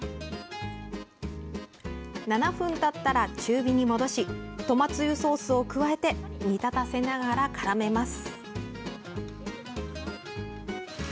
７分たったら中火に戻しトマつゆソースを加えて煮立たせながらからめます。